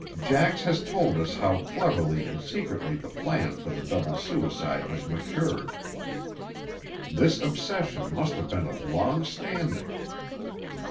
Jax has told us how cleverly and secretly the plan for the double suicide was matured. This obsession must have been of long standing."